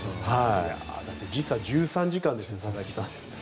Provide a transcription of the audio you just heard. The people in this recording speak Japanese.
だって時差１３時間ですよ佐々木さん。